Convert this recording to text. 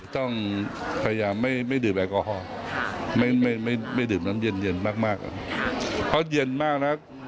ต้องพยายามไม่ดื่มแอลกอฮอล์ไม่ดื่มน้ำเย็นมากเพราะเย็นมากนะ